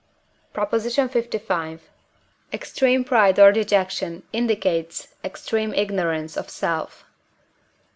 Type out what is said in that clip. PROP. LV. Extreme pride or dejection indicates extreme ignorance of self.